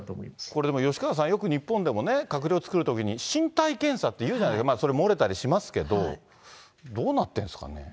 これでも吉川さん、よく日本でも閣僚作るときに身体検査っていうじゃないですか、それ、漏れたりしますけど、どうなってるんですかね？